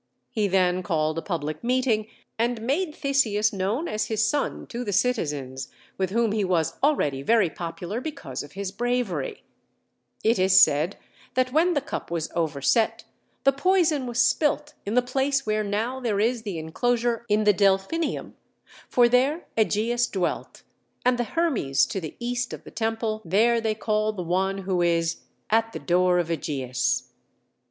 He then called a public meeting and made Theseus known as his son to the citizens, with whom he was already very popular because of his bravery, It is said that when the cup was overset the poison was spilt in the place where now there is the enclosure in the Delphinium, for there Ægeus dwelt; and the Hermes to the east of the temple there they call the one who is "at the door of Ægeus."